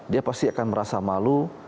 dia pasti akan merasa malu